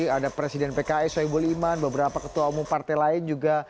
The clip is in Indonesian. ada presiden pks soebul iman beberapa ketua umum partai lain juga